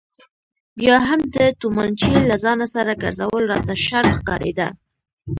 بیا هم د تومانچې له ځانه سره ګرځول راته شرم ښکارېده.